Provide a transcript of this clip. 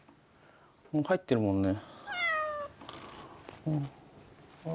もう入ってるもんね。